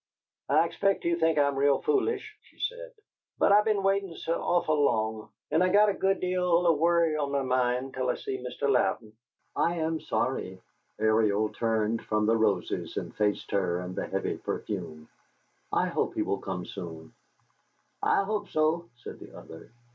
"I expect you think I'm real foolish," she said, "but I be'n waitin' so awful long and I got a good deal of worry on my mind till I see Mr. Louden." "I am sorry," Ariel turned from the roses, and faced her and the heavy perfume. "I hope he will come soon." "I hope so," said the other.